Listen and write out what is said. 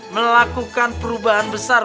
melakukan perubahan besar